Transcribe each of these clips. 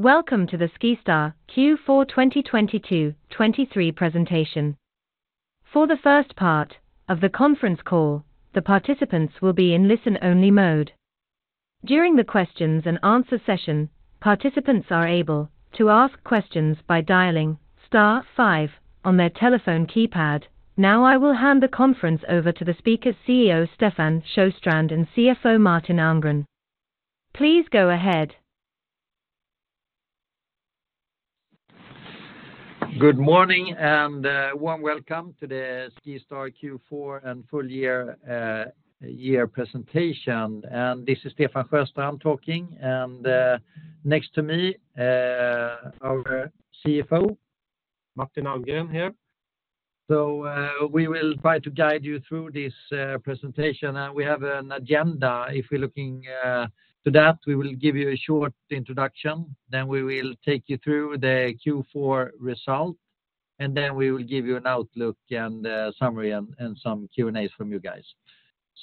Welcome to the SkiStar Q4 2022/2023 Presentation. For the first part of the conference call, the participants will be in listen-only mode. During the questions and answer session, participants are able to ask questions by dialing star five on their telephone keypad. Now, I will hand the conference over to the speaker, CEO Stefan Sjöstrand, and CFO Martin Almgren. Please go ahead. Good morning, and warm welcome to the SkiStar Q4 and full year, year presentation. This is Stefan Sjöstrand talking, and next to me, our CFO. Martin Almgren here. So, we will try to guide you through this presentation. We have an agenda. If we're looking to that, we will give you a short introduction, then we will take you through the Q4 result, and then we will give you an outlook and a summary and some Q&As from you guys.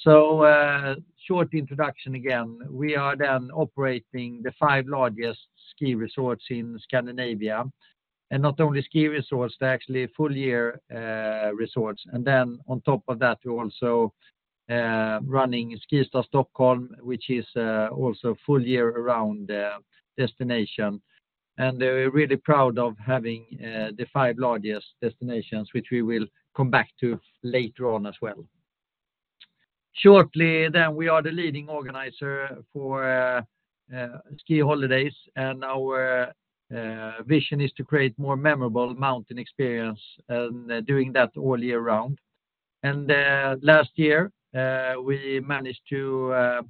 So, short introduction again, we are operating the five largest ski resorts in Scandinavia, and not only ski resorts, they're actually full year resorts. And then on top of that, we're also running SkiStar Stockholm, which is also full year around destination. And we're really proud of having the five largest destinations, which we will come back to later on as well. Shortly, then, we are the leading organizer for ski holidays, and our vision is to create more memorable mountain experience, and doing that all year round. Last year we managed to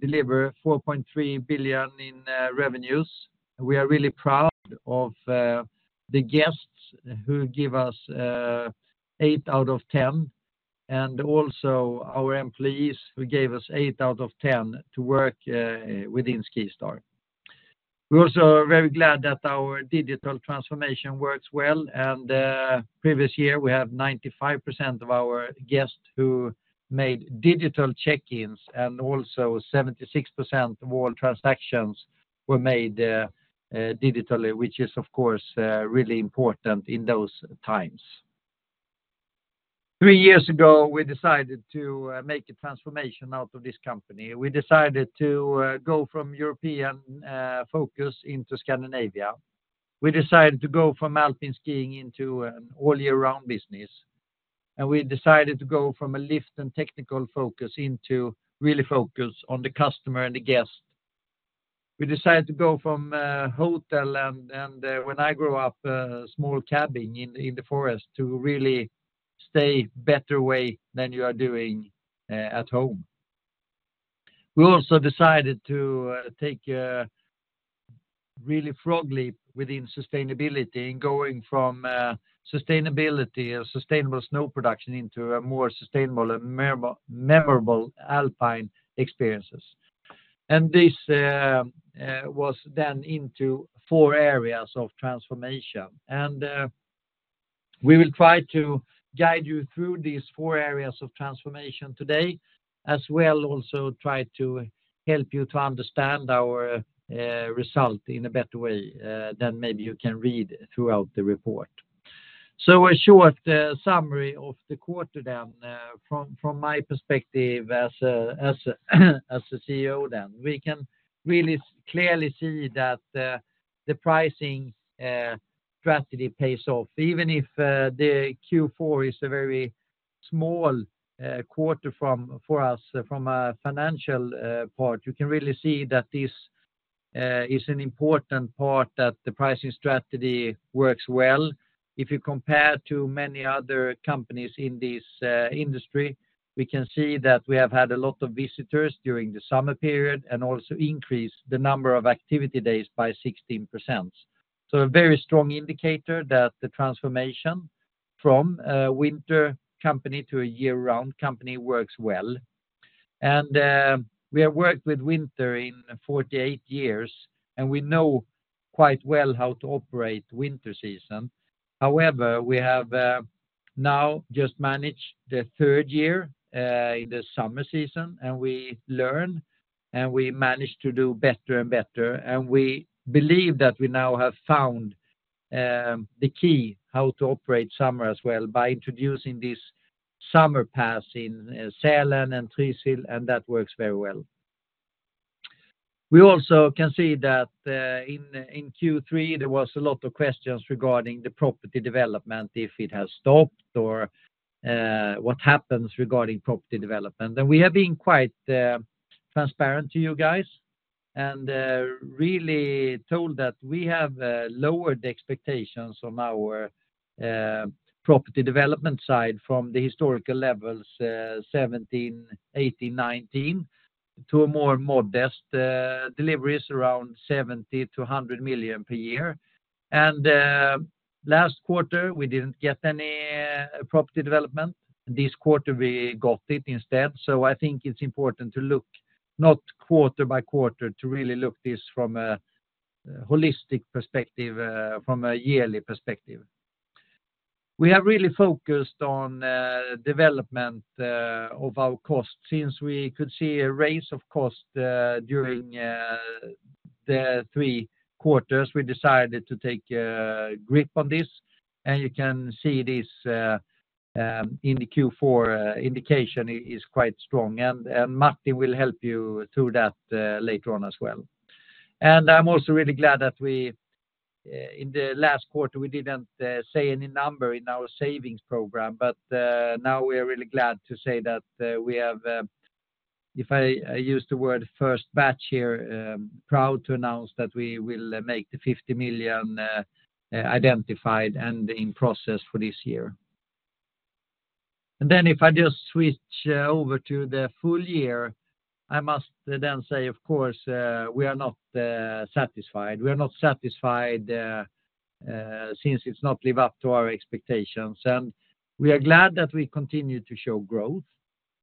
deliver 4.3 billion in revenues. We are really proud of the guests who give us eight out of 10, and also our employees, who gave us eight out of ten to work within SkiStar. We're also very glad that our digital transformation works well, and previous year, we have 95% of our guests who made digital check-ins, and also 76% of all transactions were made digitally, which is, of course, really important in those times. Three years ago, we decided to make a transformation out of this company. We decided to go from European focus into Scandinavia. We decided to go from alpine skiing into an all-year-round business, and we decided to go from a lift and technical focus into really focus on the customer and the guest. We decided to go from hotel and, when I grew up, small cabin in the forest, to really stay better way than you are doing at home. We also decided to take a really frog leap within sustainability in going from sustainability or sustainable snow production into a more sustainable and memorable alpine experiences. This was then into four areas of transformation. We will try to guide you through these four areas of transformation today, as well also try to help you to understand our result in a better way than maybe you can read throughout the report. So a short summary of the quarter then, from my perspective as a CEO, then. We can really clearly see that the pricing strategy pays off, even if the Q4 is a very small quarter for us. From a financial part, you can really see that this is an important part, that the pricing strategy works well. If you compare to many other companies in this industry, we can see that we have had a lot of visitors during the summer period and also increased the number of activity days by 16%. So a very strong indicator that the transformation from a winter company to a year-round company works well. And, we have worked with winter in 48 years, and we know quite well how to operate winter season. However, we have, now just managed the third year, in the summer season, and we learn, and we manage to do better and better, and we believe that we now have found, the key how to operate summer as well by introducing this summer pass in, Sälen and Trysil, and that works very well. We also can see that, in Q3, there was a lot of questions regarding the property development, if it has stopped or, what happens regarding property development. We have been quite transparent to you guys and really told that we have lowered the expectations on our property development side from the historical levels, 2017, 2018, 2019, to a more modest deliveries around 70 million-100 million per year. Last quarter, we didn't get any property development. This quarter, we got it instead. I think it's important to look not quarter by quarter, to really look this from a holistic perspective, from a yearly perspective. We are really focused on development of our cost. Since we could see a rise in costs during the three quarters, we decided to take grip on this, and you can see this in the Q4 indication, which is quite strong, and Martin will help you through that later on as well. And I'm also really glad that we, in the last quarter, we didn't say any number in our savings program, but now we are really glad to say that we have, if I use the word first batch here, proud to announce that we will make the 50 million identified and in process for this year. And then if I just switch over to the full year, I must then say, of course, we are not satisfied. We are not satisfied, since it's not live up to our expectations. And we are glad that we continue to show growth.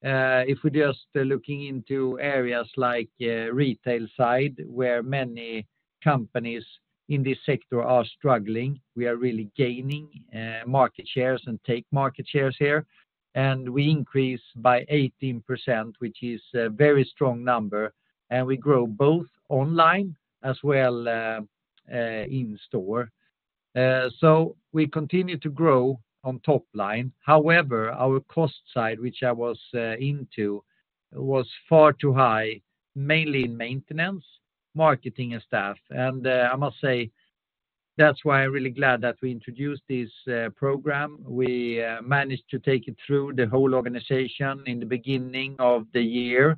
If we just looking into areas like, retail side, where many companies in this sector are struggling, we are really gaining, market shares and take market shares here, and we increase by 18%, which is a very strong number, and we grow both online as well, in store. So we continue to grow on top line. However, our cost side, which I was, into, was far too high, mainly in maintenance, marketing and staff. And, I must say that's why I'm really glad that we introduced this, program. We, managed to take it through the whole organization in the beginning of the year,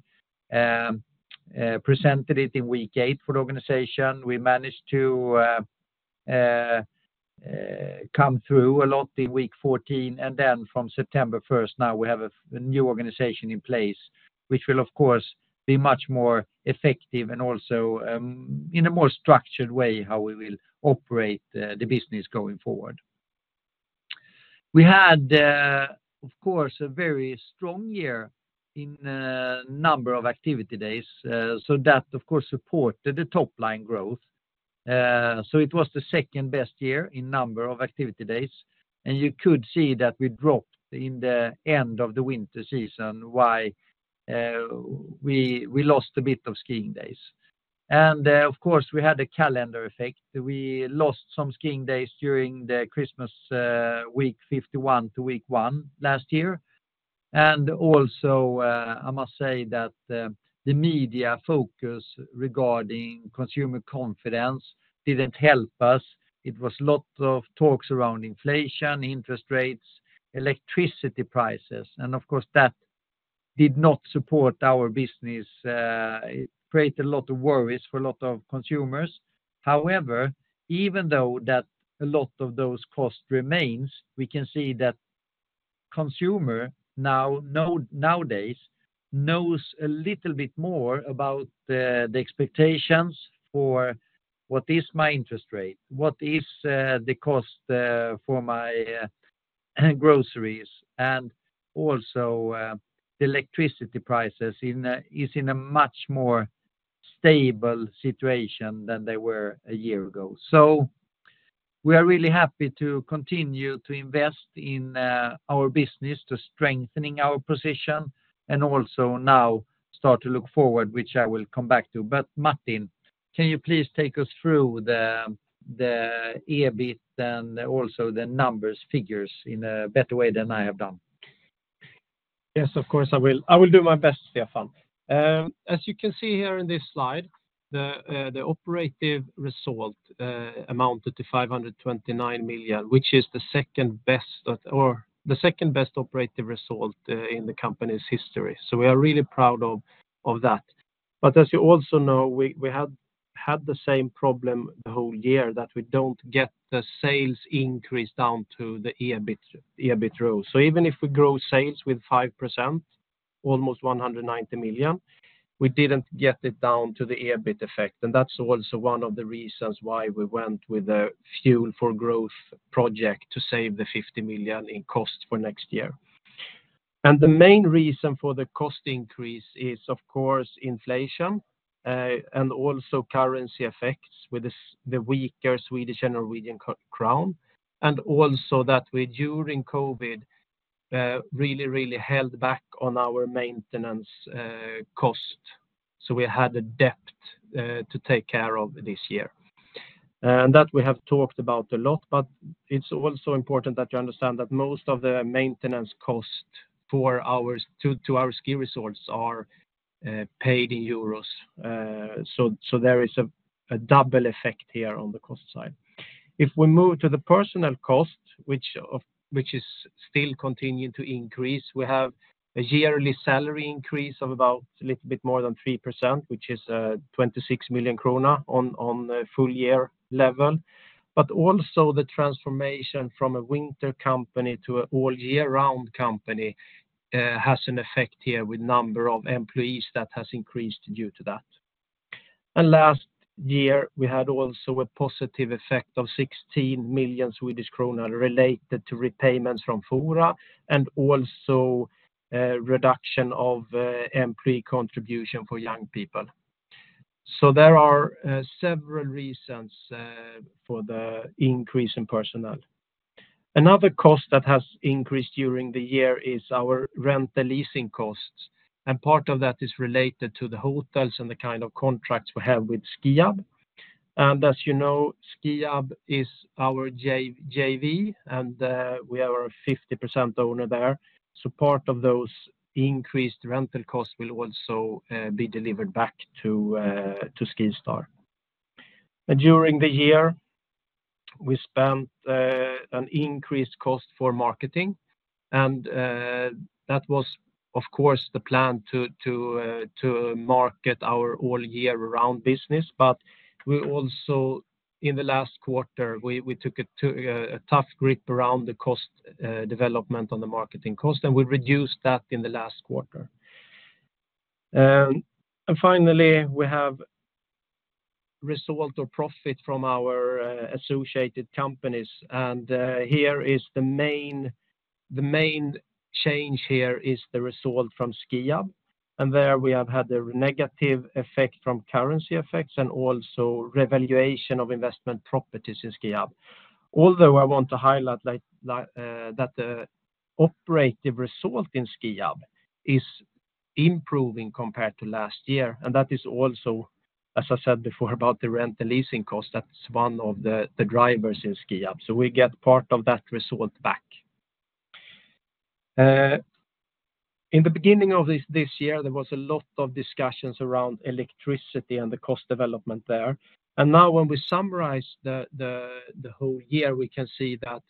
presented it in week eight for the organization. We managed to come through a lot in week 14, and then from September 1st, now we have a new organization in place, which will of course be much more effective and also in a more structured way how we will operate the business going forward. We had, of course, a very strong year in number of activity days, so that, of course, supported the top-line growth. So it was the second-best year in number of activity days, and you could see that we dropped in the end of the winter season, why we lost a bit of skiing days. And, of course, we had a calendar effect. We lost some skiing days during the Christmas week 51 to week 1 last year. I must say that the media focus regarding consumer confidence didn't help us. It was a lot of talks around inflation, interest rates, electricity prices, and of course, that did not support our business. It created a lot of worries for a lot of consumers. However, even though a lot of those costs remain, we can see that consumers nowadays know a little bit more about the expectations for what is my interest rate? What is the cost for my groceries? And also, the electricity prices are in a much more stable situation than they were a year ago. So we are really happy to continue to invest in our business, to strengthen our position, and also now start to look forward, which I will come back to. But Martin, can you please take us through the EBIT and also the numbers, figures in a better way than I have done? Yes, of course, I will. I will do my best, Stefan. As you can see here in this slide, the operating result amounted to 529 million, which is the second best or the second best operating result in the company's history. So we are really proud of that. But as you also know, we had had the same problem the whole year, that we don't get the sales increase down to the EBIT, EBIT growth. So even if we grow sales with 5%, almost 190 million, we didn't get it down to the EBIT effect, and that's also one of the reasons why we went with a Fuel for Growth project to save 50 million in cost for next year. The main reason for the cost increase is, of course, inflation, and also currency effects with the weaker Swedish and Norwegian crown, and also that we, during COVID, really, really held back on our maintenance cost. So we had a debt to take care of this year. And that we have talked about a lot, but it's also important that you understand that most of the maintenance cost to our ski resorts are paid in euros. So there is a double effect here on the cost side. If we move to the personal cost, which is still continuing to increase, we have a yearly salary increase of about a little bit more than 3%, which is 26 million krona on a full year level. But also the transformation from a winter company to an all year round company has an effect here with number of employees that has increased due to that. And last year, we had also a positive effect of 16 million Swedish kronor related to repayments from Fora and also reduction of employee contribution for young people. So there are several reasons for the increase in personnel. Another cost that has increased during the year is our rental leasing costs, and part of that is related to the hotels and the kind of contracts we have with Skiab. And as you know, Skiab is our JV, and we are a 50% owner there. So part of those increased rental costs will also be delivered back to SkiStar. During the year, we spent an increased cost for marketing, and that was, of course, the plan to market our all-year-round business. But we also, in the last quarter, we took it to a tough grip around the cost development on the marketing cost, and we reduced that in the last quarter. And finally, we have result or profit from our associated companies, and here is the main change here is the result from Skiab. And there, we have had a negative effect from currency effects and also revaluation of investment properties in Skiab. Although I want to highlight, like, that the operative result in Skiab is improving compared to last year, and that is also, as I said before, about the rent and leasing cost, that's one of the drivers in Skiab. So we get part of that result back. In the beginning of this year, there was a lot of discussions around electricity and the cost development there. And now when we summarize the whole year, we can see that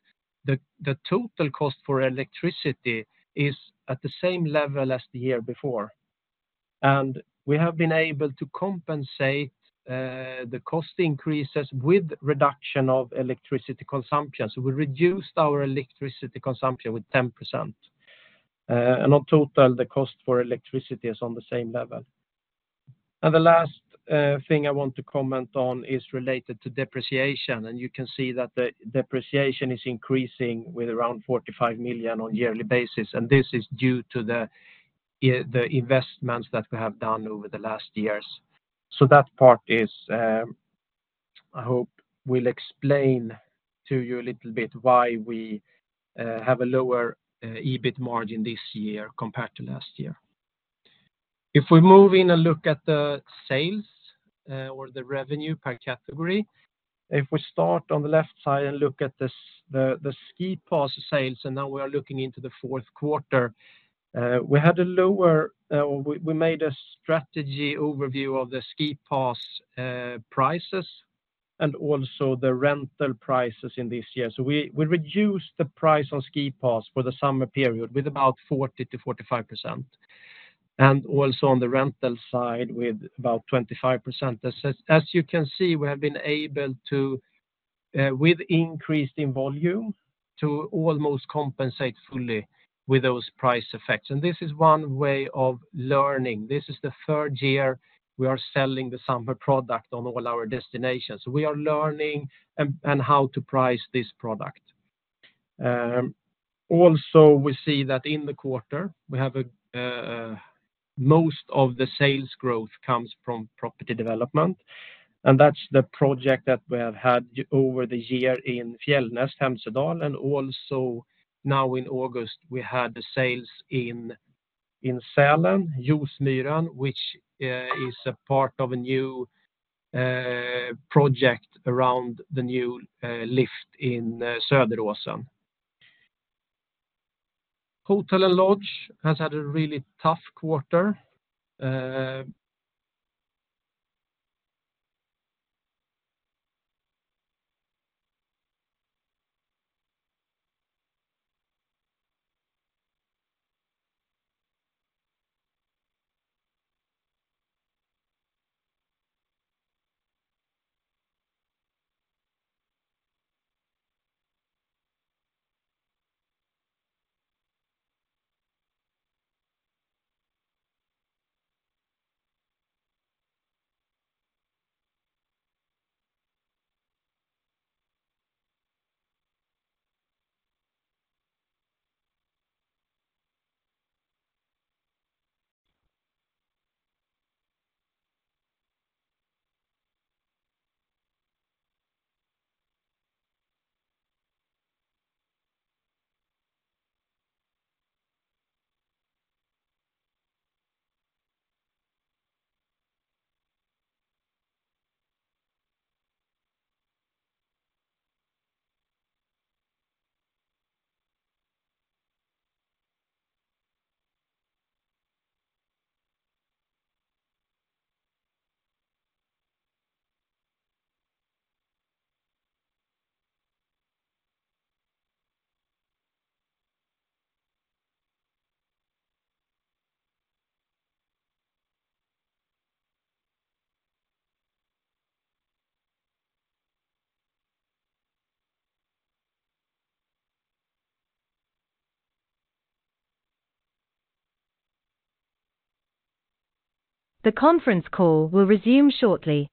the total cost for electricity is at the same level as the year before. And we have been able to compensate the cost increases with reduction of electricity consumption. So we reduced our electricity consumption with 10%. And in total, the cost for electricity is on the same level. And the last thing I want to comment on is related to depreciation, and you can see that the depreciation is increasing with around 45 million on a yearly basis, and this is due to the investments that we have done over the last years. So that part is, I hope will explain to you a little bit why we have a lower EBIT margin this year compared to last year. If we move in and look at the sales or the revenue per category, if we start on the left side and look at the SkiPass sales, and now we are looking into the fourth quarter, we made a strategy overview of the SkiPass prices and also the rental prices in this year. So we reduced the price on SkiPass for the summer period with about 40%-45%, and also on the rental side with about 25%. As you can see, we have been able to, with increase in volume, to almost compensate fully with those price effects. This is one way of learning. This is the third year we are selling the summer product on all our destinations. We are learning and, and how to price this product. Also, we see that in the quarter, most of the sales growth comes from property development, and that's the project that we have had over the year in Fjellnest-Hemsedal, and also now in August, we had the sales in Sälen, Josmyren, which is a part of a new project around the new lift in Söderåsen. Hotel and Lodge has had a really tough quarter. The conference call will resume shortly.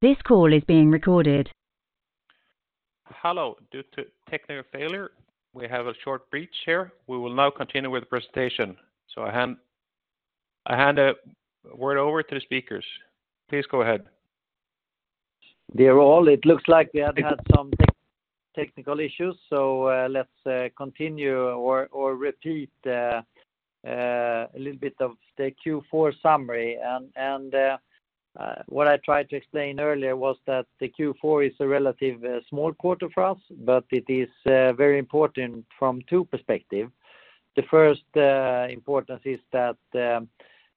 This call is being recorded. Hello. Due to technical failure, we have a short break here. We will now continue with the presentation. So I hand the word over to the speakers. Please go ahead. Dear all, it looks like we have had some technical issues, so let's continue or repeat a little bit of the Q4 summary. And what I tried to explain earlier was that the Q4 is a relatively small quarter for us, but it is very important from two perspectives. The first importance is that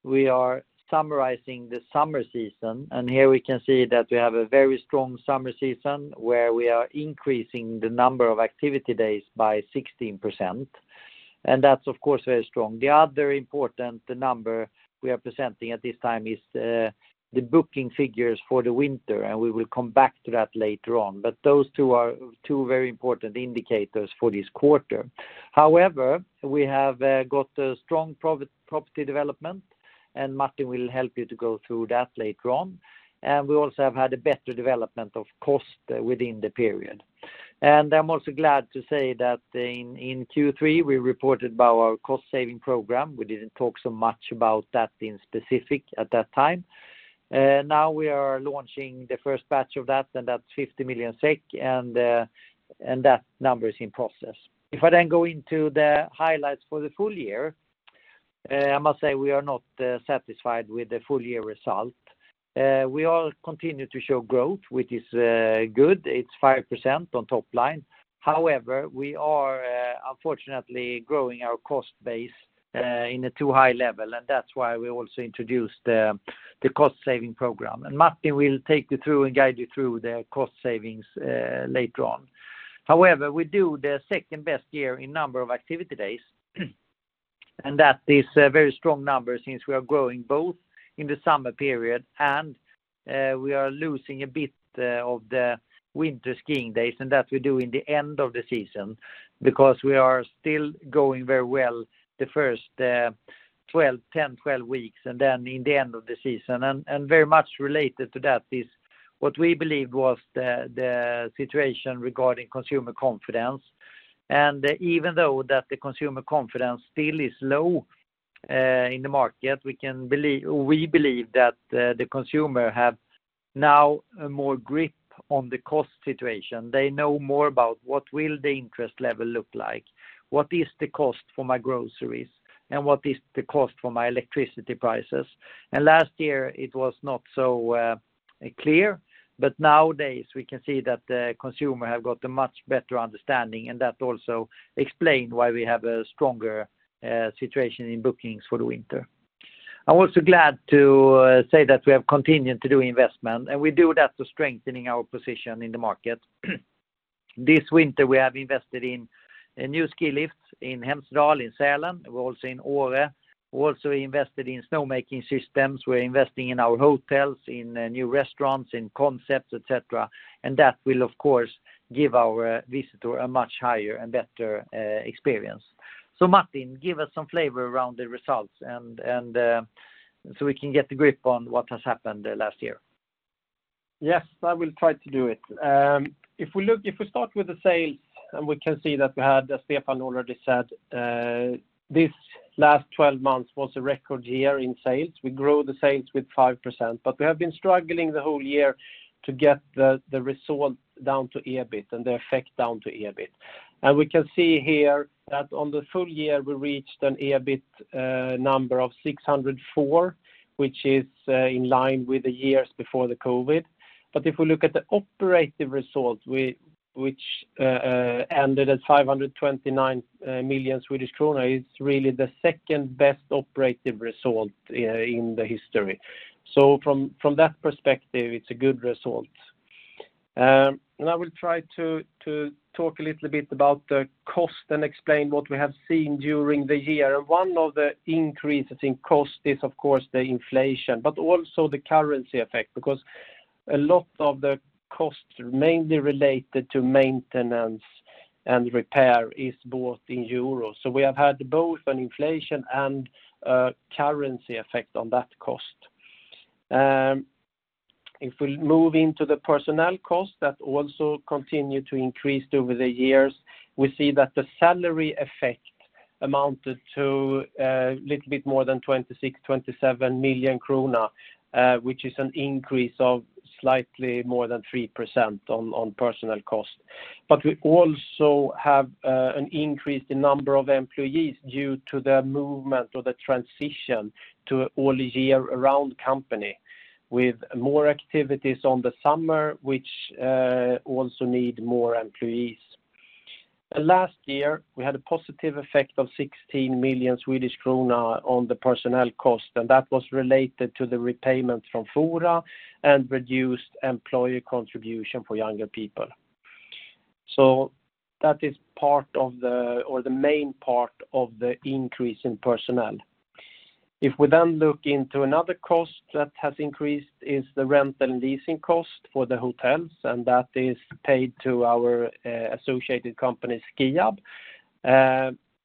we are summarizing the summer season, and here we can see that we have a very strong summer season, where we are increasing the number of Activity Days by 16%, and that's, of course, very strong. The other important number we are presenting at this time is the booking figures for the winter, and we will come back to that later on. But those two are two very important indicators for this quarter. However, we have got a strong property development, and Martin will help you to go through that later on. We also have had a better development of cost within the period. I'm also glad to say that in Q3, we reported about our cost-saving program. We didn't talk so much about that in specific at that time. Now we are launching the first batch of that, and that's 50 million SEK, and that number is in process. If I then go into the highlights for the full year, I must say we are not satisfied with the full year result. We all continue to show growth, which is good. It's 5% on top line. However, we are unfortunately growing our cost base in a too high level, and that's why we also introduced the, the cost-saving program. And Martin will take you through and guide you through the cost savings later on. However, we do the second best year in number of Activity Days, and that is a very strong number since we are growing both in the summer period, and we are losing a bit of the winter skiing days, and that we do in the end of the season because we are still going very well the first 12, 10, 12 weeks, and then in the end of the season. And, and very much related to that is what we believe was the, the situation regarding consumer confidence. Even though that the consumer confidence still is low in the market, we believe that the consumer have now a more grip on the cost situation. They know more about what will the interest level look like? What is the cost for my groceries? And what is the cost for my electricity prices? And last year it was not so clear, but nowadays we can see that the consumer have got a much better understanding, and that also explained why we have a stronger situation in bookings for the winter. I'm also glad to say that we have continued to do investment, and we do that to strengthening our position in the market. This winter, we have invested in a new ski lift in Hemsedal, in Sälen, also in Åre. We also invested in snowmaking systems. We're investing in our hotels, in, new restaurants, in concepts, et cetera, and that will, of course, give our visitor a much higher and better, experience. So Martin, give us some flavor around the results and, so we can get a grip on what has happened last year. Yes, I will try to do it. If we look, if we start with the sales, and we can see that we had, as Stefan already said, this last twelve months was a record year in sales. We grew the sales with 5%, but we have been struggling the whole year to get the result down to EBIT and the effect down to EBIT. We can see here that on the full year, we reached an EBIT number of 604, which is in line with the years before the COVID. If we look at the operative results, which ended at 529 million Swedish krona, it's really the second-best operative result in the history. From that perspective, it's a good result. And I will try to talk a little bit about the cost and explain what we have seen during the year. One of the increases in cost is, of course, the inflation, but also the currency effect, because a lot of the costs are mainly related to maintenance and repair is both in euros. So we have had both an inflation and a currency effect on that cost. If we move into the personnel costs, that also continue to increase over the years, we see that the salary effect amounted to a little bit more than 26-27 million krona, which is an increase of slightly more than 3% on personnel costs. But we also have an increase in number of employees due to the movement or the transition to all year-round company, with more activities on the summer, which also need more employees. And last year, we had a positive effect of 16 million Swedish krona on the personnel cost, and that was related to the repayments from Fora and reduced employee contribution for younger people. So that is part of the or the main part of the increase in personnel. If we then look into another cost that has increased is the rent and leasing cost for the hotels, and that is paid to our associated company, Skiab,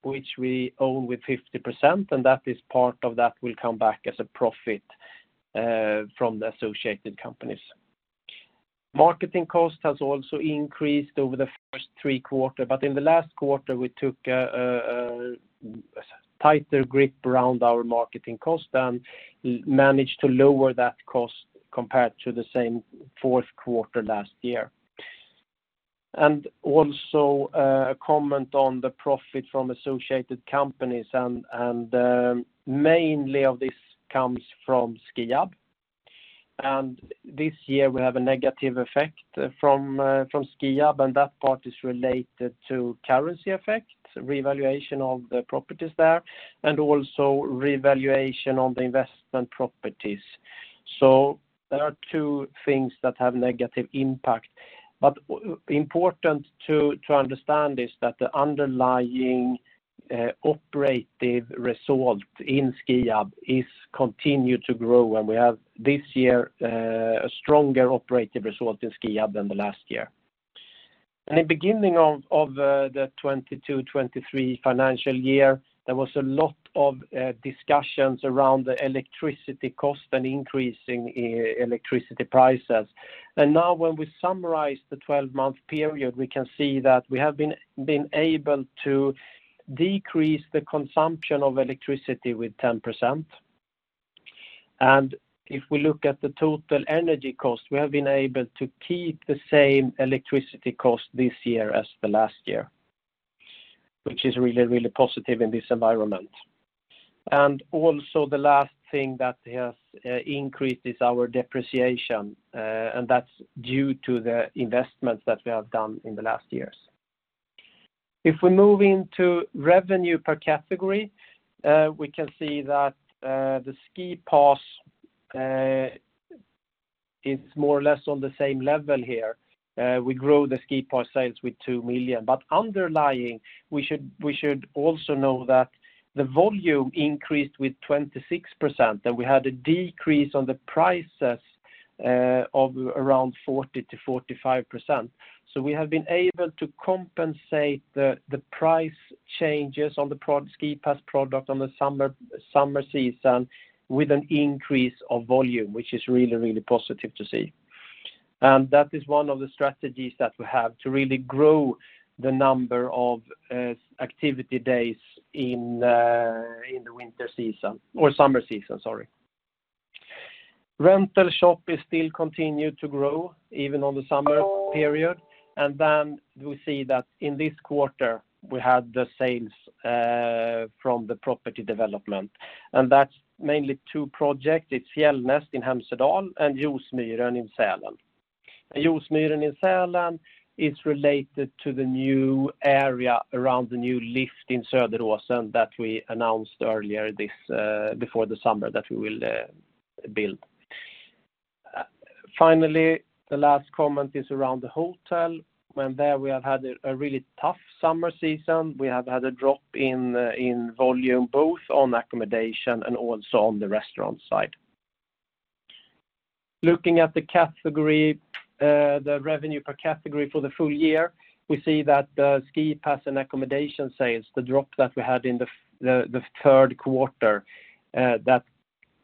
which we own with 50%, and that is part of that will come back as a profit from the associated companies. Marketing cost has also increased over the first three quarters, but in the last quarter, we took a tighter grip around our marketing cost and managed to lower that cost compared to the same fourth quarter last year. Also, a comment on the profit from associated companies, and mainly of this comes from Skiab. This year, we have a negative effect from Skiab, and that part is related to currency effects, revaluation of the properties there, and also revaluation on the investment properties. So there are two things that have negative impact, but important to understand is that the underlying operative result in Skiab is continued to grow, and we have this year a stronger operative result in Skiab than the last year. In the beginning of the 2022-2023 financial year, there was a lot of discussions around the electricity cost and increasing electricity prices. And now when we summarize the 12-month period, we can see that we have been able to decrease the consumption of electricity with 10%. And if we look at the total energy cost, we have been able to keep the same electricity cost this year as the last year, which is really, really positive in this environment. And also the last thing that has increased is our depreciation, and that's due to the investments that we have done in the last years. If we move into revenue per category, we can see that the SkiPass is more or less on the same level here. We grow the SkiPass sales with 2 million, but underlying, we should also know that the volume increased with 26%, that we had a decrease on the prices of around 40%-45%. So we have been able to compensate the price changes on the SkiPass product on the summer season with an increase of volume, which is really, really positive to see. And that is one of the strategies that we have to really grow the number of activity days in the winter season or summer season, sorry. Rental shop is still continued to grow even on the summer period. And then we see that in this quarter, we had the sales from the property development, and that's mainly two projects. It's Fjellnest in Hemsedal and Josmyren in Sälen. Josmyren in Sälen is related to the new area around the new lift in Söderåsen that we announced earlier this before the summer that we will build. Finally, the last comment is around the hotel, and there we have had a really tough summer season. We have had a drop in in volume, both on accommodation and also on the restaurant side. Looking at the category, the revenue per category for the full year, we see that the SkiPass and accommodation sales, the drop that we had in the third quarter that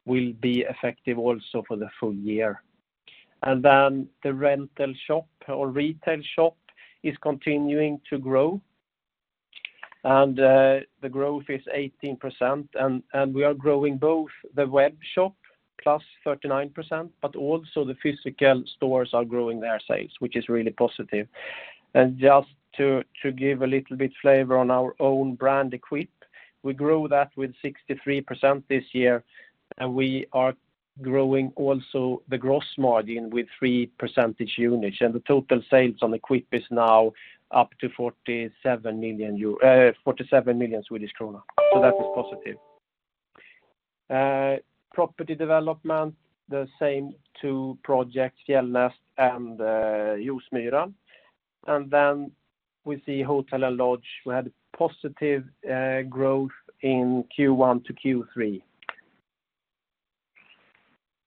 will be effective also for the full year. And then the rental shop or retail shop is continuing to grow, and the growth is 18%, and we are growing both the web shop, +39%, but also the physical stores are growing their sales, which is really positive. And just to give a little bit flavor on our own brand, EQPE, we grew that with 63% this year, and we are growing also the gross margin with three percentage units, and the total sales on EQPE is now up to 47 million Swedish krona. So that is positive. Property development, the same two projects, Fjellnest and Josmyren. And then we see hotel and lodge, we had positive growth in Q1 to Q3.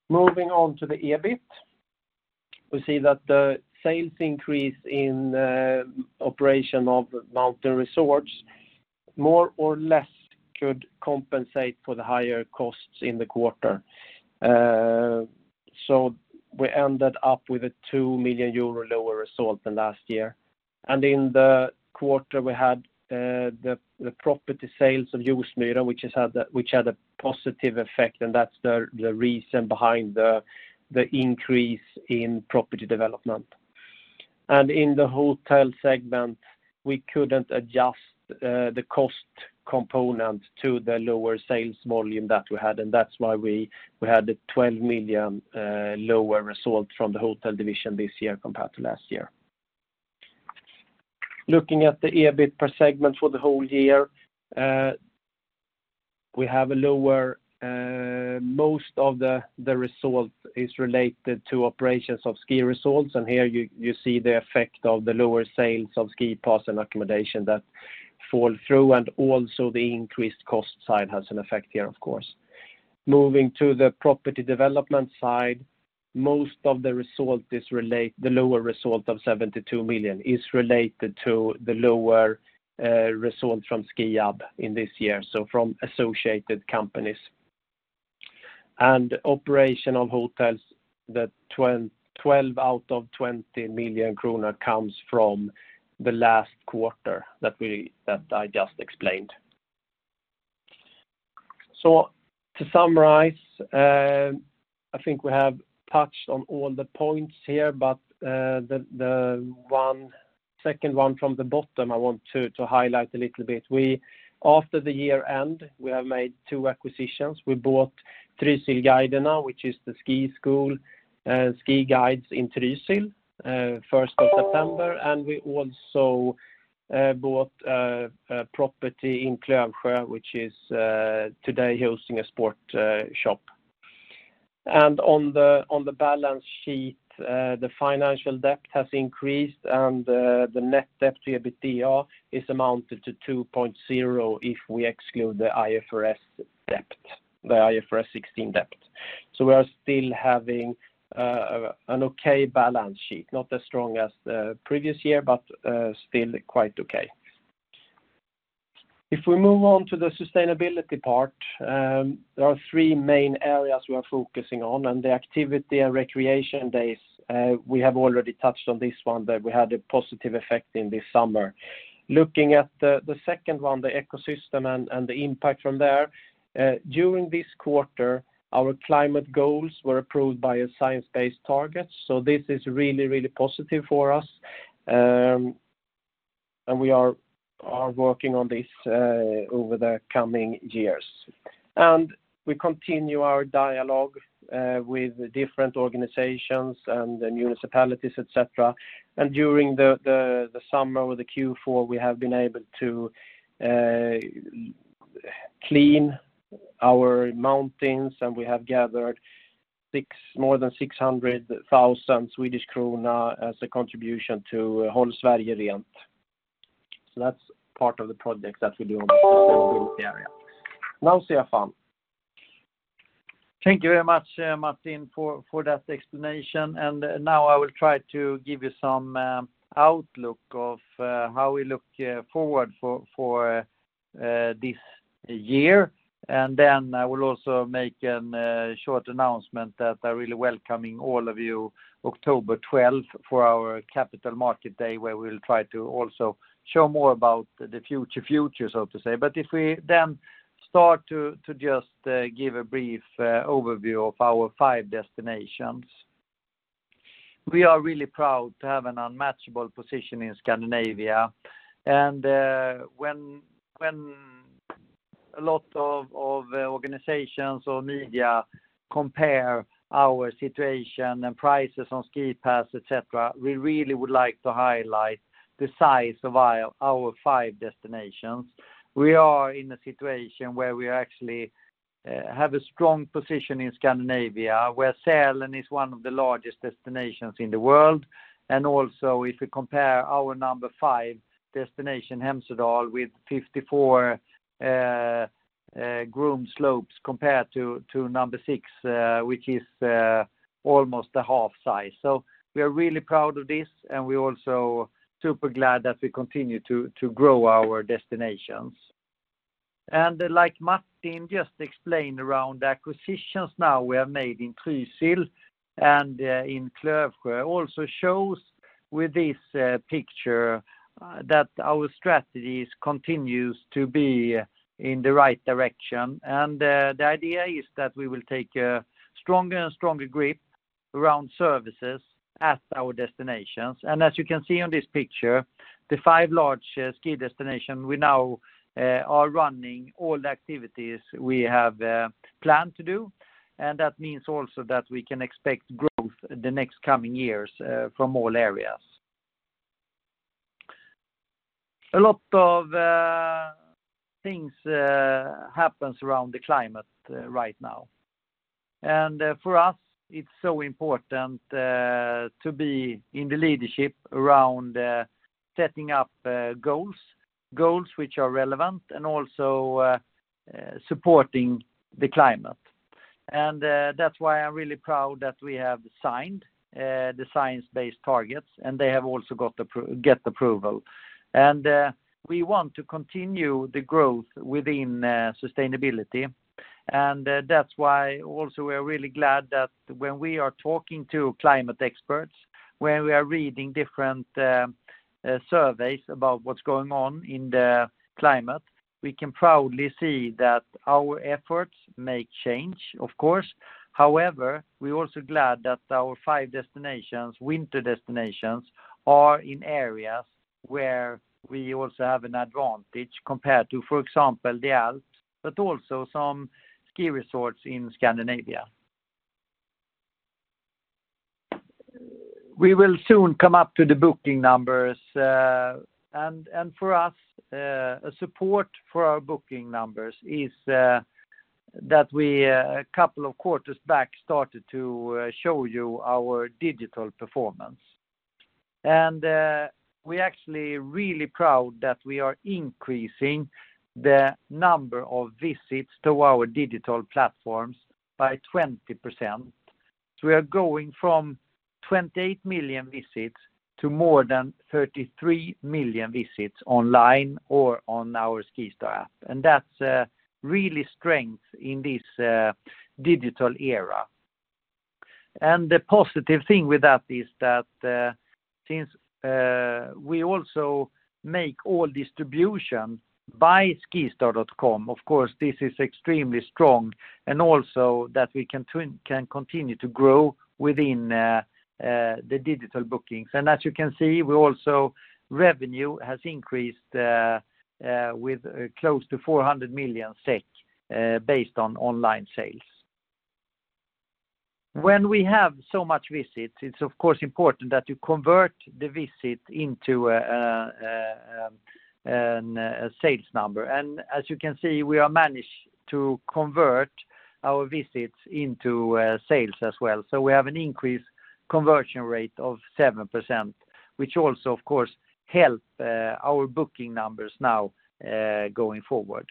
Moving on to the EBIT, we see that the sales increase in operation of mountain resorts more or less could compensate for the higher costs in the quarter. So we ended up with a 2 million euro lower result than last year. And in the quarter, we had the property sales of Josmyren, which had a positive effect, and that's the reason behind the increase in property development. And in the hotel segment, we couldn't adjust the cost component to the lower sales volume that we had, and that's why we had a 12 million lower result from the hotel division this year compared to last year. Looking at the EBIT per segment for the whole year, we have a lower, most of the result is related to operations of ski resorts, and here you see the effect of the lower sales of SkiPass and accommodation that fall through, and also the increased cost side has an effect here, of course. Moving to the property development side, most of the result is the lower result of 72 million is related to the lower result from Skiab in this year, so from associated companies. And operational hotels, the 12 out of 20 million kronor comes from the last quarter that I just explained. So to summarize, I think we have touched on all the points here, but the second one from the bottom, I want to highlight a little bit. After the year end, we have made two acquisitions. We bought Trysilguidene, which is the ski school, ski guides in Trysil, first of September, and we also bought a property in Klövsjö, which is today hosting a sport shop. On the balance sheet, the financial debt has increased, and the net debt to EBITDA is amounted to 2.0 if we exclude the IFRS debt, the IFRS 16 debt. We are still having an okay balance sheet, not as strong as the previous year, but still quite okay. If we move on to the sustainability part, there are three main areas we are focusing on, and the activity and recreation days, we have already touched on this one, that we had a positive effect in this summer. Looking at the second one, the ecosystem and the impact from there, during this quarter, our climate goals were approved by Science Based Targets, so this is really, really positive for us. And we are working on this over the coming years. And we continue our dialogue with different organizations and the municipalities, et cetera. And during the summer or the Q4, we have been able to clean our mountains, and we have gathered more than 600,000 Swedish krona as a contribution to Håll Sverige Rent. So that's part of the project that we do on the sustainability area. Now, Stefan. Thank you very much, Martin, for that explanation. Now I will try to give you some outlook of how we look forward for this year. Then I will also make a short announcement that I really welcome all of you October twelfth for our Capital Market Day, where we will try to also show more about the future, so to say. But if we then start to just give a brief overview of our five destinations. We are really proud to have an unmatchable position in Scandinavia, and when a lot of organizations or media compare our situation and prices on SkiPass, et cetera, we really would like to highlight the size of our five destinations. We are in a situation where we actually have a strong position in Scandinavia, where Sälen is one of the largest destinations in the world. Also, if we compare our number 5 destination, Hemsedal, with 54 groomed slopes compared to number 6, which is almost a half size. So we are really proud of this, and we're also super glad that we continue to grow our destinations. Like Martin just explained around the acquisitions now we have made in Trysil and in Klövsjö, also shows with this picture that our strategies continues to be in the right direction. The idea is that we will take a stronger and stronger grip around services at our destinations. And as you can see on this picture, the five large ski destination, we now are running all the activities we have planned to do, and that means also that we can expect growth the next coming years from all areas, A lot of things happens around the climate right now. And for us, it's so important to be in the leadership around setting up goals which are relevant and also supporting the climate. And that's why I'm really proud that we have signed the Science Based Targets, and they have also got approval. And we want to continue the growth within sustainability. That's why also we are really glad that when we are talking to climate experts, when we are reading different surveys about what's going on in the climate, we can proudly see that our efforts make change, of course. However, we're also glad that our five destinations, winter destinations, are in areas where we also have an advantage compared to, for example, the Alps, but also some ski resorts in Scandinavia. We will soon come up to the booking numbers, and for us, a support for our booking numbers is that we a couple of quarters back started to show you our digital performance. And, we're actually really proud that we are increasing the number of visits to our digital platforms by 20%. So we are going from 28 million visits to more than 33 million visits online or on our SkiStar app, and that's really strength in this digital era. The positive thing with that is that since we also make all distribution by skistar.com, of course, this is extremely strong, and also that we can continue to grow within the digital bookings. And as you can see, revenue has increased with close to 400 million SEK based on online sales. When we have so much visits, it's of course important that you convert the visit into a sales number. And as you can see, we are managed to convert our visits into sales as well. So we have an increased conversion rate of 7%, which also, of course, help our booking numbers now going forward.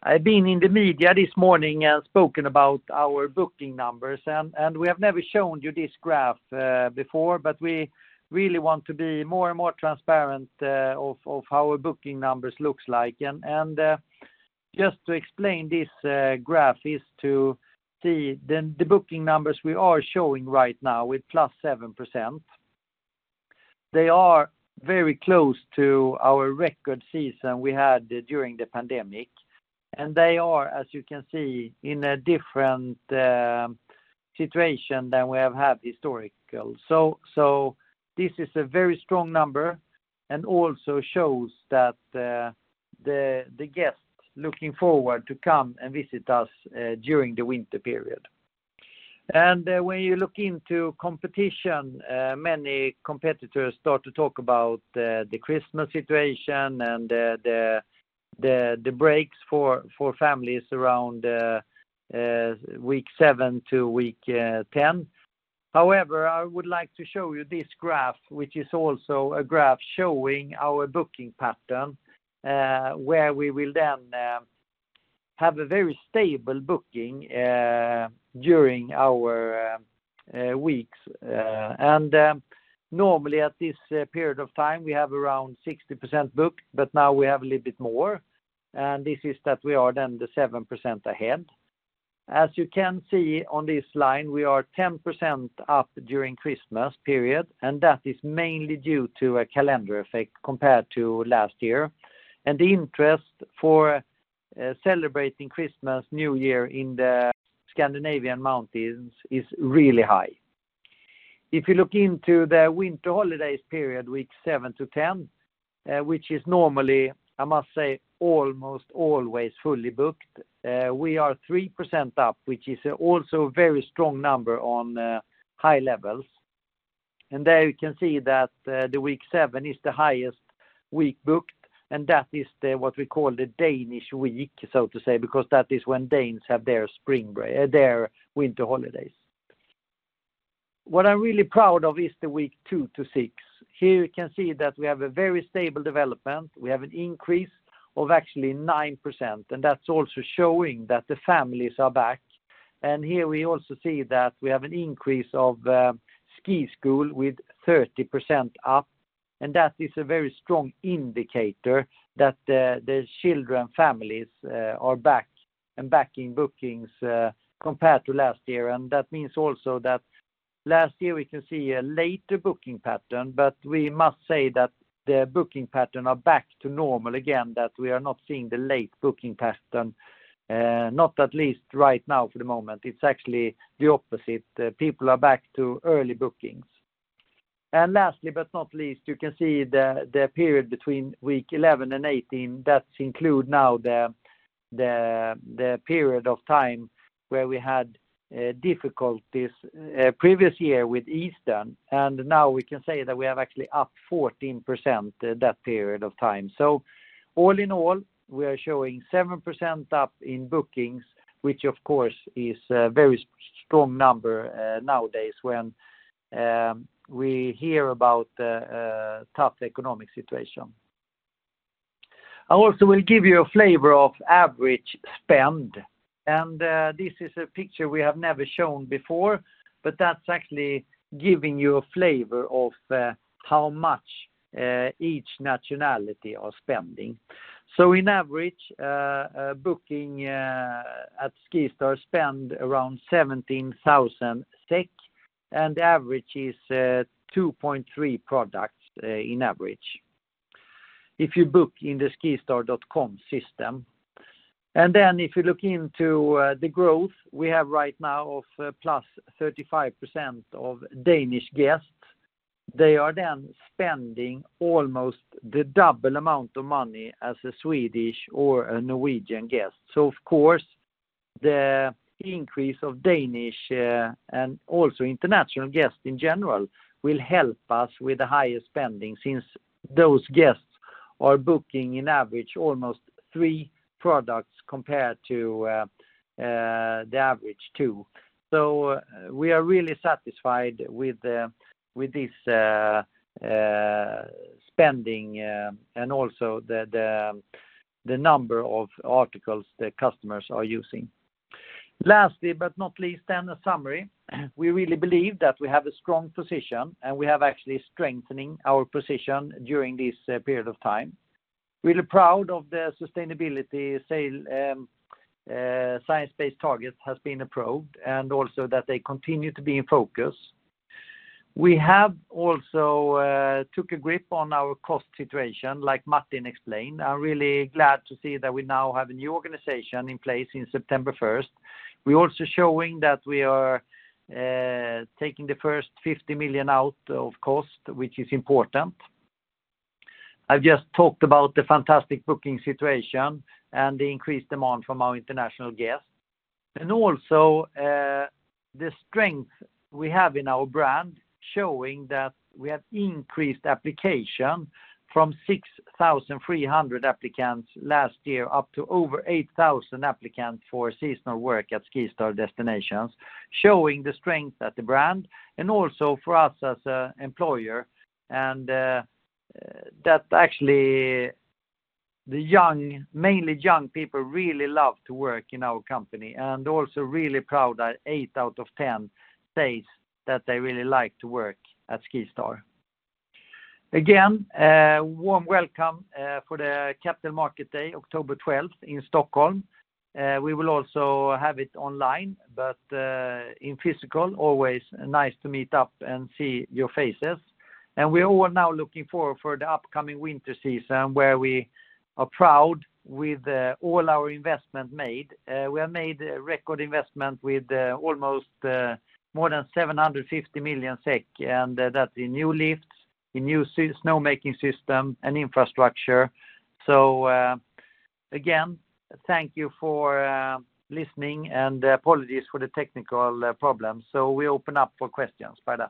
I've been in the media this morning and spoken about our booking numbers, and we have never shown you this graph before, but we really want to be more and more transparent of how our booking numbers looks like. And just to explain this graph is to see the booking numbers we are showing right now with +7%. They are very close to our record season we had during the pandemic, and they are, as you can see, in a different situation than we have had historical. So this is a very strong number and also shows that the guests looking forward to come and visit us during the winter period. When you look into competition, many competitors start to talk about the Christmas situation and the breaks for families around week 7 to week 10. However, I would like to show you this graph, which is also a graph showing our booking pattern, where we will then have a very stable booking during our weeks. Normally at this period of time, we have around 60% booked, but now we have a little bit more, and this is that we are then the 7% ahead. As you can see on this line, we are 10% up during Christmas period, and that is mainly due to a calendar effect compared to last year. The interest for celebrating Christmas, New Year in the Scandinavian Mountains is really high. If you look into the winter holidays period, weeks 7-10, which is normally, I must say, almost always fully booked, we are 3% up, which is also a very strong number on high levels. And there you can see that the week 7 is the highest week booked, and that is what we call the Danish week, so to say, because that is when Danes have their spring break, their winter holidays. What I'm really proud of is weeks 2-6. Here you can see that we have a very stable development. We have an increase of actually 9%, and that's also showing that the families are back. Here we also see that we have an increase of ski school with 30% up, and that is a very strong indicator that the children, families are back and back in bookings compared to last year. And that means also that last year, we can see a later booking pattern, but we must say that the booking pattern are back to normal again, that we are not seeing the late booking pattern, not at least right now for the moment. It's actually the opposite. The people are back to early bookings. Lastly, but not least, you can see the period between week 11 and 18, that include now the period of time where we had difficulties previous year with Easter, and now we can say that we have actually up 14% that period of time. So all in all, we are showing 7% up in bookings, which of course is a very strong number nowadays when we hear about the tough economic situation. I also will give you a flavor of average spend, and this is a picture we have never shown before, but that's actually giving you a flavor of how much each nationality are spending. So in average, a booking at SkiStar spend around 17,000 SEK, and the average is 2.3 products in average if you book in the skistar.com system. And then if you look into the growth we have right now of +35% of Danish guests, they are then spending almost the double amount of money as a Swedish or a Norwegian guest. So of course, the increase of Danish and also international guests in general will help us with the higher spending, since those guests are booking in average almost 3 products compared to the average 2. So we are really satisfied with this spending and also the number of articles the customers are using. Lastly, but not least, then a summary. We really believe that we have a strong position, and we have actually strengthening our position during this period of time. Really proud of the sustainability sale, Science Based Targets has been approved, and also that they continue to be in focus. We have also took a grip on our cost situation, like Martin explained. I'm really glad to see that we now have a new organization in place in September first. We're also showing that we are taking the first 50 million out of cost, which is important. I've just talked about the fantastic booking situation and the increased demand from our international guests. And also the strength we have in our brand, showing that we have increased application from 6,300 applicants last year, up to over 8,000 applicants for seasonal work at SkiStar destinations, showing the strength at the brand and also for us as a employer. And that actually mainly young people really love to work in our company, and also really proud that eight out of ten says that they really like to work at SkiStar. Again, warm welcome for the Capital Market Day, October twelfth in Stockholm. We will also have it online, but in physical, always nice to meet up and see your faces. And we are all now looking forward for the upcoming winter season, where we are proud with all our investment made. We have made a record investment with almost more than 750 million SEK, and that's in new lifts, in new snowmaking system and infrastructure. So again, thank you for listening, and apologies for the technical problems. So we open up for questions. Bye then.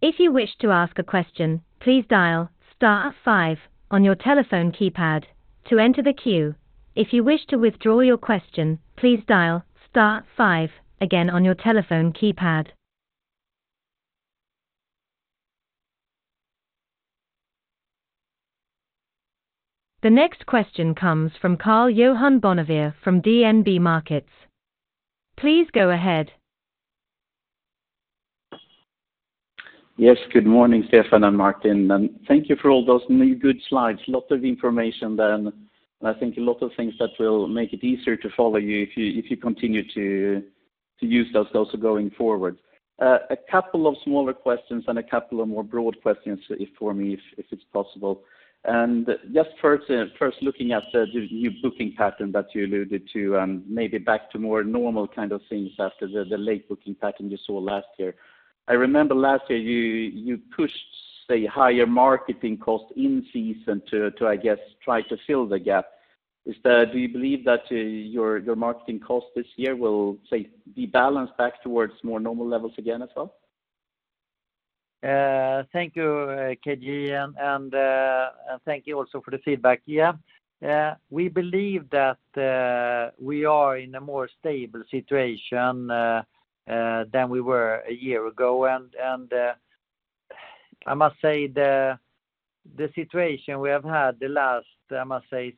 If you wish to ask a question, please dial star five on your telephone keypad to enter the queue. If you wish to withdraw your question, please dial star five again on your telephone keypad. The next question comes from Karl-Johan Bonnevier from DNB Markets. Please go ahead. Yes, good morning, Stefan and Martin, and thank you for all those many good slides. Lots of information there, and I think a lot of things that will make it easier to follow you if you continue to use those also going forward. A couple of smaller questions and a couple of more broad questions for me, if it's possible. And just first looking at the new booking pattern that you alluded to, maybe back to more normal kind of things after the late booking pattern you saw last year. I remember last year you pushed, say, higher marketing costs in season to, I guess, try to fill the gap. Is that? Do you believe that your marketing costs this year will, say, be balanced back towards more normal levels again as well? Thank you, KG, and, and, and thank you also for the feedback. Yeah, we believe that, we are in a more stable situation, than we were a year ago. And, and, I must say, the, the situation we have had the last, I must say,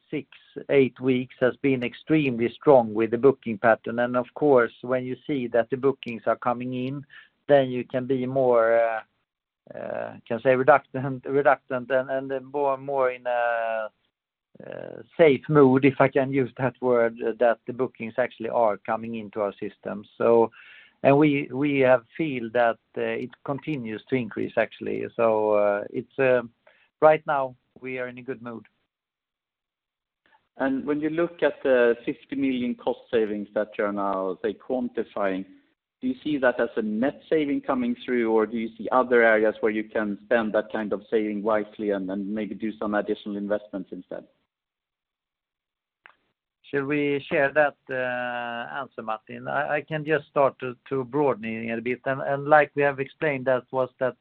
6-8 weeks has been extremely strong with the booking pattern. And of course, when you see that the bookings are coming in, then you can be more, can say, reductant, reductant, and, and, more, more in a, safe mood, if I can use that word, that the bookings actually are coming into our system. So, and we, we, feel that, it continues to increase, actually. So, it's, right now, we are in a good mood. And when you look at the 50 million cost savings that you are now, say, quantifying, do you see that as a net saving coming through, or do you see other areas where you can spend that kind of saving wisely and then maybe do some additional investments instead? Should we share that answer, Martin? I can just start to broadening it a bit. And like we have explained, that was that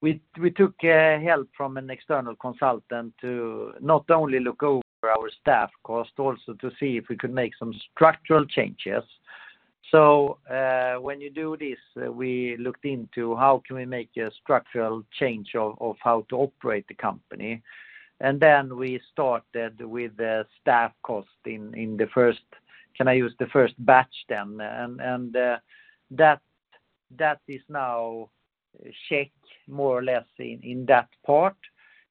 we took help from an external consultant to not only look over our staff cost, also to see if we could make some structural changes. So when you do this, we looked into how can we make a structural change of how to operate the company? And then we started with the staff cost in the first, can I use the first batch then? And that is now check more or less in that part.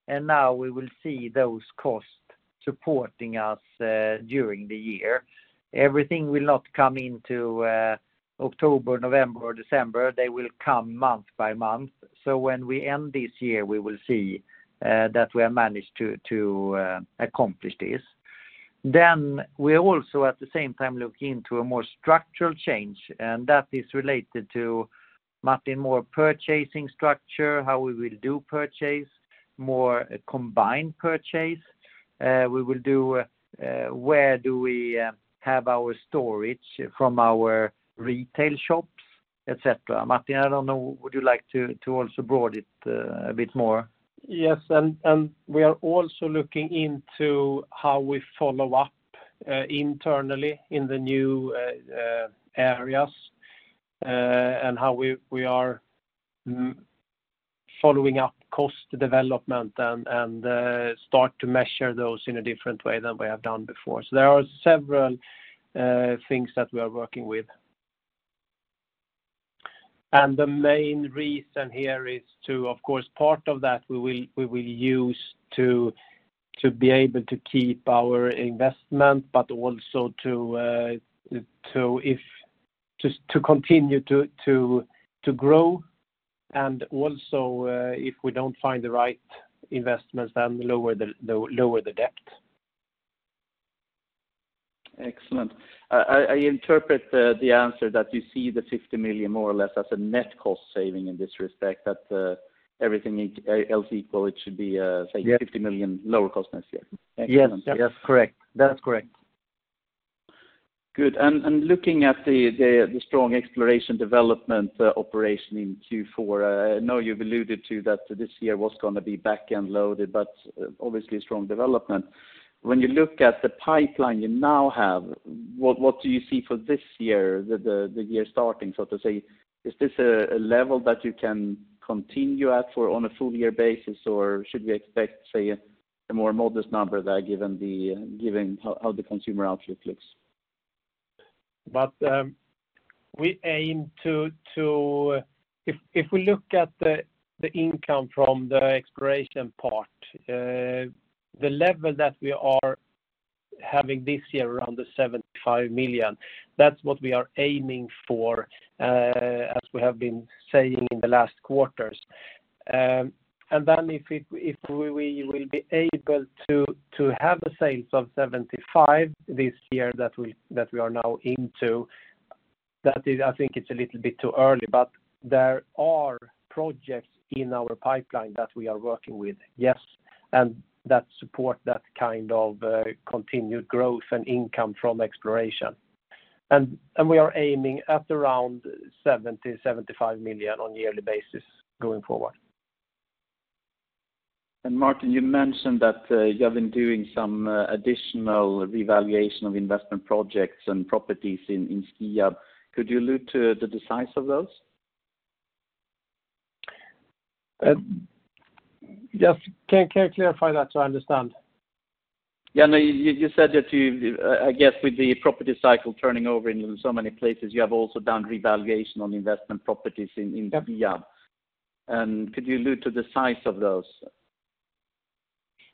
And now we will see those costs supporting us during the year. Everything will not come into October, November, or December. They will come month by month. So when we end this year, we will see that we have managed to accomplish this. Then we also, at the same time, look into a more structural change, and that is related to Martin, more purchasing structure, how we will do purchase, more combined purchase. We will do where do we have our storage from our retail shops, et cetera. Martin, I don't know, would you like to also broaden it a bit more? Yes, and we are also looking into how we follow up internally in the new areas, and how we are following up cost development and start to measure those in a different way than we have done before. So there are several things that we are working with. And the main reason here is to, of course, part of that we will use to be able to keep our investment, but also to just continue to grow, and also, if we don't find the right investments, then lower the debt. Excellent. I interpret the answer that you see the 50 million more or less as a net cost saving in this respect, that everything else equal, it should be, say- Yeah 50 million lower cost next year. Yes, yes, correct. That's correct. Good. Looking at the strong exploration development operation in Q4, I know you've alluded to that this year was going to be back-end loaded, but obviously strong development. When you look at the pipeline you now have, what do you see for this year, the year starting, so to say? Is this a level that you can continue at for on a full year basis, or should we expect, say, a more modest number there, given how the consumer outlook looks? But we aim to. If we look at the income from the exploration part, the level that we are having this year around 75 million, that's what we are aiming for, as we have been saying in the last quarters. And then if we will be able to have the sales of 75 million this year that we are now into, that is, I think it's a little bit too early, but there are projects in our pipeline that we are working with, yes, and that support that kind of continued growth and income from exploration. And we are aiming at around 75 million on a yearly basis going forward. Martin, you mentioned that you have been doing some additional revaluation of investment projects and properties in Skiab. Could you allude to the size of those? Just can you clarify that so I understand? Yeah, no, you said that you I guess with the property cycle turning over in so many places, you have also done revaluation on investment properties in Skiab. Yeah. Could you allude to the size of those?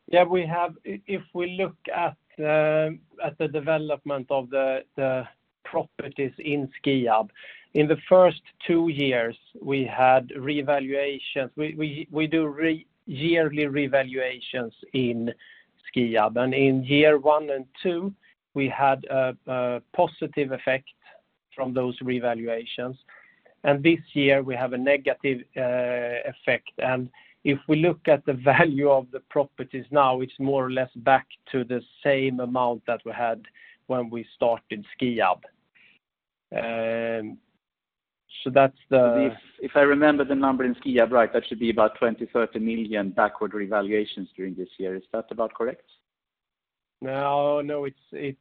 Yeah, we have if we look at the development of the properties in Skiab, in the first two years, we had revaluations. We do yearly revaluations in Skiab, and in year one and two, we had a positive effect from those revaluations, and this year we have a negative effect. And if we look at the value of the properties now, it's more or less back to the same amount that we had when we started Skiab. So that's the- If I remember the number in Skiab, right, that should be about 20-30 million backward revaluations during this year. Is that about correct? No, no, it's, it's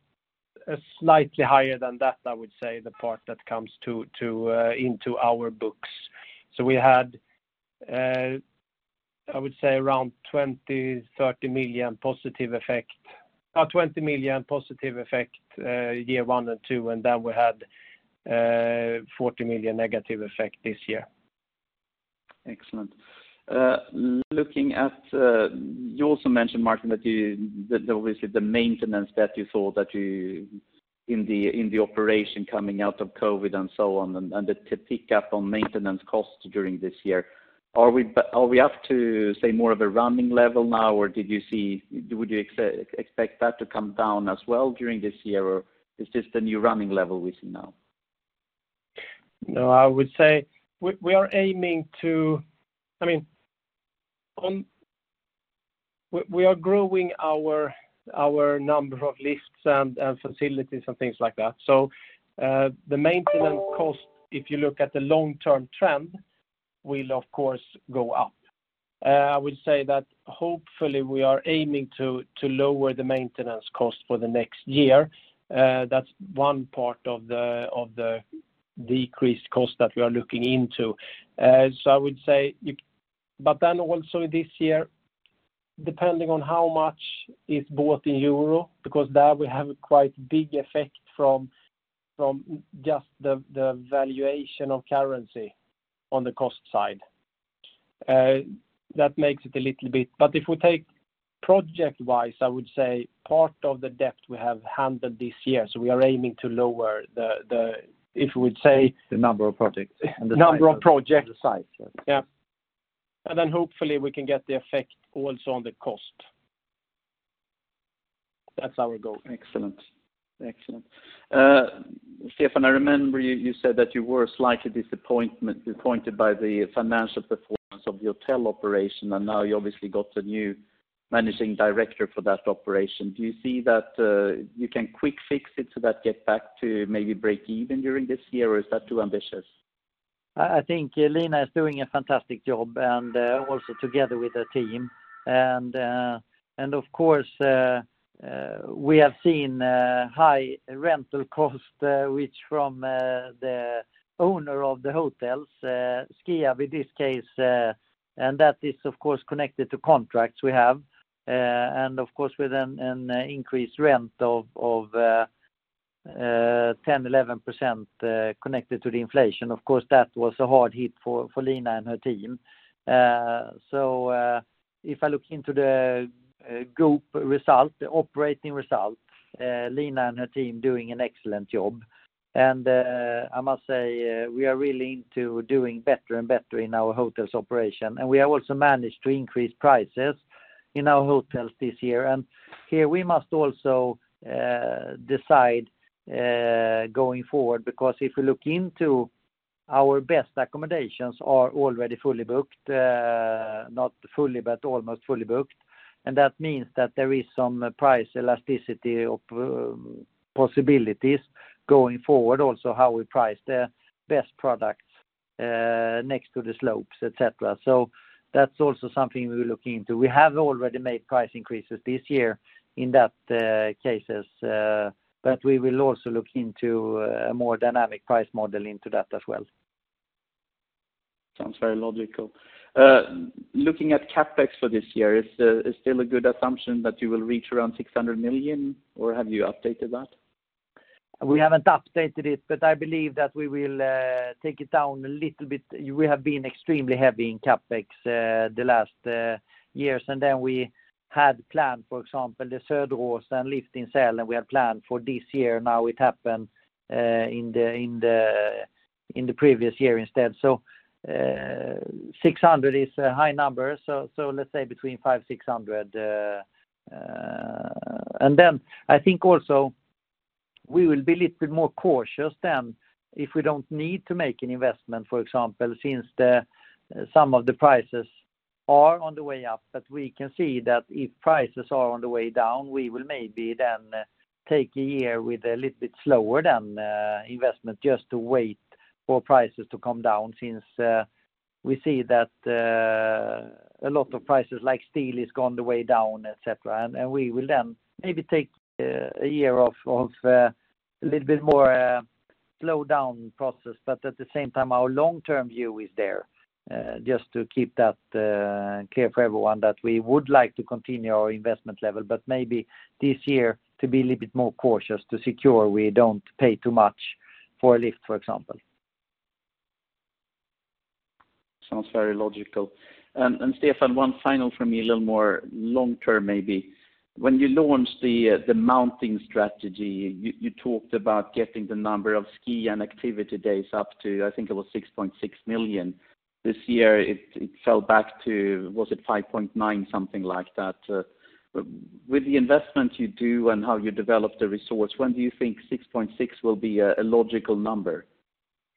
slightly higher than that, I would say, the part that comes to, to, into our books. So we had, I would say, around 20-30 million positive effect, 20 million positive effect, year one and two, and then we had, 40 million negative effect this year. Excellent. Looking at, you also mentioned, Martin, that obviously the maintenance that you saw in the operation coming out of COVID and so on, and the pick up on maintenance costs during this year. Are we up to, say, more of a running level now, or would you expect that to come down as well during this year, or is this the new running level we see now? No, I would say we are aiming to, I mean, we are growing our number of lifts and facilities and things like that. So, the maintenance cost, if you look at the long-term trend, will of course go up. I would say that hopefully we are aiming to lower the maintenance cost for the next year. That's one part of the decreased cost that we are looking into. So I would say you, but then also this year, depending on how much is bought in Euro, because there we have a quite big effect from just the valuation of currency on the cost side. That makes it a little bit. But if we take project-wise, I would say part of the debt we have handled this year, so we are aiming to lower the, if we say- The number of projects and the size. Number of projects. The size, yes. Yeah. Then hopefully we can get the effect also on the cost. That's our goal. Excellent. Excellent. Stefan, I remember you, you said that you were slightly disappointed by the financial performance of the hotel operation, and now you obviously got a new managing director for that operation. Do you see that you can quick fix it so that get back to maybe break even during this year, or is that too ambitious? I think Lina is doing a fantastic job, and also together with her team. And of course, we have seen high rental cost, which from the owner of the hotels, Skiab, in this case, and that is, of course, connected to contracts we have. And of course, with an increased rent of 10%-11%, connected to the inflation, of course, that was a hard hit for Lina and her team. So, if I look into the group result, the operating result, Lina and her team doing an excellent job. And I must say, we are really into doing better and better in our hotels operation, and we have also managed to increase prices in our hotels this year. Here, we must also decide going forward, because if you look into our best accommodations are already fully booked, not fully, but almost fully booked. That means that there is some price elasticity of possibilities going forward, also how we price the best products next to the slopes, et cetera. That's also something we're looking into. We have already made price increases this year in that cases, but we will also look into a more dynamic price model into that as well. Sounds very logical. Looking at CapEx for this year, is still a good assumption that you will reach around 600 million, or have you updated that? We haven't updated it, but I believe that we will take it down a little bit. We have been extremely heavy in CapEx the last years, and then we had planned, for example, the Söderåsen lift in Sälen, and we had planned for this year. Now it happened in the previous year instead. Six hundred is a high number, so let's say between 500-600 million. And then I think also we will be a little bit more cautious than if we don't need to make an investment, for example, since some of the prices are on the way up, but we can see that if prices are on the way down, we will maybe then take a year with a little bit slower than investment, just to wait for prices to come down, since we see that a lot of prices like steel has gone the way down, et cetera. And we will then maybe take a year of a little bit more slow down process. But at the same time, our long-term view is there, just to keep that clear for everyone, that we would like to continue our investment level, but maybe this year to be a little bit more cautious, to secure we don't pay too much for a lift, for example. Sounds very logical. And Stefan, one final for me, a little more long term, maybe. When you launched the mountain strategy, you talked about getting the number of ski and activity days up to, I think it was 6.6 million. This year, it fell back to, was it 5.9, something like that. With the investment you do and how you develop the resort, when do you think 6.6 will be a logical number?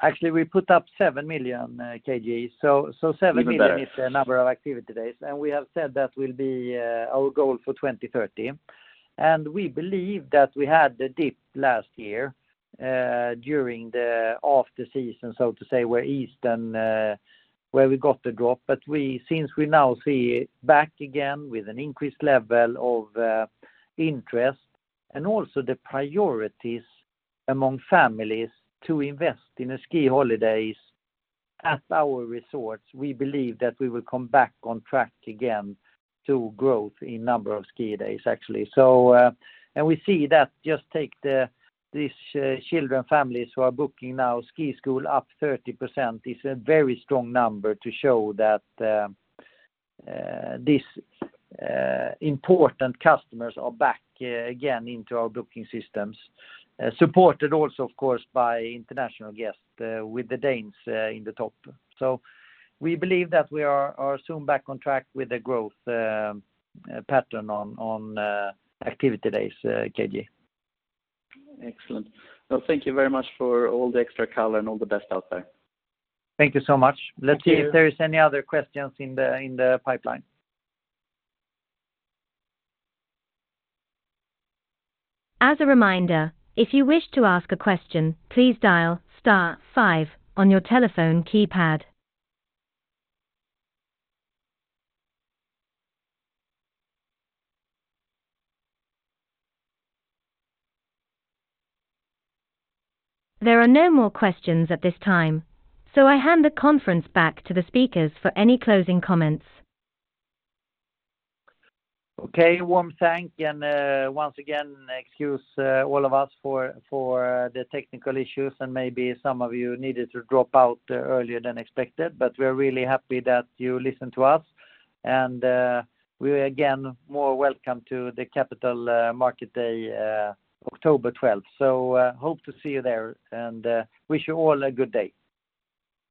Actually, we put up 7 million KG. So, 7 million- Even better. is the number of activity days, and we have said that will be our goal for 2030. And we believe that we had the dip last year during the off the season, so to say, where Easter, where we got the drop. But we, since we now see back again with an increased level of interest and also the priorities among families to invest in a ski holidays at our resorts, we believe that we will come back on track again to growth in number of ski days, actually. So, and we see that just take the, these children, families who are booking now, ski school up 30% is a very strong number to show that this important customers are back again into our booking systems, supported also, of course, by international guests, with the Danes in the top. So we believe that we are soon back on track with the growth pattern on activity days, KG. Excellent. Well, thank you very much for all the extra color and all the best out there. Thank you so much. Thank you. Let's see if there is any other questions in the pipeline. As a reminder, if you wish to ask a question, please dial star five on your telephone keypad. There are no more questions at this time, so I hand the conference back to the speakers for any closing comments. Okay, warm thank you, and once again, excuse all of us for the technical issues, and maybe some of you needed to drop out earlier than expected, but we're really happy that you listened to us. And we again more welcome to the Capital Market Day, October 12th. So hope to see you there, and wish you all a good day.